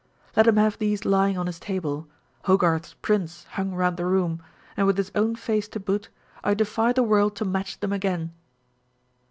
Let him have these lying on his table, Hogarth's prints hung round the room, and with his own face to boot, I defy the world to match them again